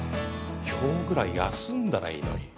今日ぐらい休んだらいいのに。